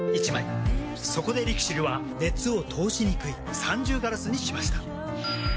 そこでＬＩＸＩＬは熱を通しにくい三重ガラスにしました。